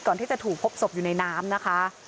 ก่อนที่จะถูกพบศพอยู่ในน้ำนะคะ